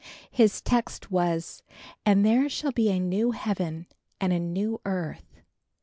His text was "And there shall be a new heaven and a new earth."